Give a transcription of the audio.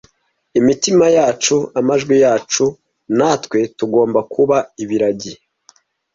Imitima yacu, amajwi yacu? natwe tugomba kuba ibiragi?